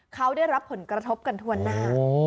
เขาได้รับผลกระทบกันทั่วหน้า